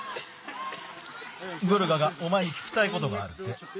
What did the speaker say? グルガがおまえにききたいことがあるって。